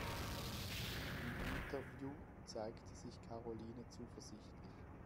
Im Interview zeigt sich Karoline zuversichtlich.